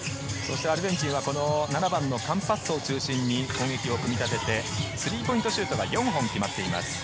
アルゼンチンは７番のカンパッソを中心に攻撃を組み立てて、スリーポイントシュートが４本、決まっています。